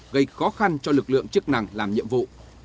gây khó khăn cho lực lượng chức năng làm nhiệm vụ